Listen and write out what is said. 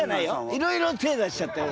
いろいろ手出しちゃったよ。